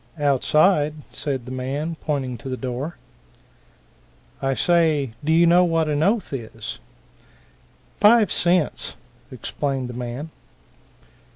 "Outside," said the man, pointing to the door. "I say, do you know what an oath is?" "Five cents," explained the man.